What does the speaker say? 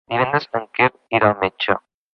Divendres en Quer irà al metge.